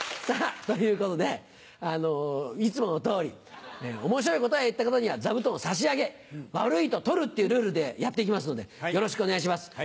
さぁということでいつもの通り面白い答えを言った方には座布団を差し上げ悪いと取るっていうルールでやって行きますのでよろしくお願いします